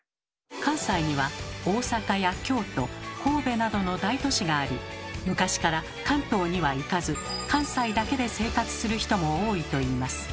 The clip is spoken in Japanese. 関西には大阪や京都神戸などの大都市があり昔から関東には行かず関西だけで生活する人も多いといいます。